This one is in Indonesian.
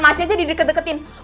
masih aja di deket deketnya